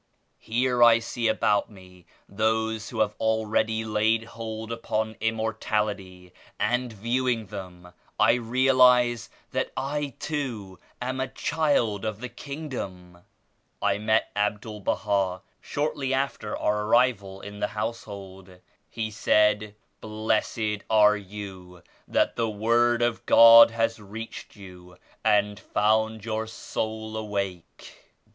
Here I see about me those who have already laid hold upon Immor tality, and viewing them I realize that I too am a child of the Kingdom. I met Abdul Baha shortly after our arrival in the Household. He said, "Blessed are you that the Word of God has reached you and found your soul awake.